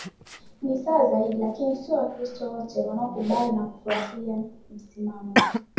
ni sawa zaidi Lakini si Wakristo wote wanakubali na kufurahia msimamo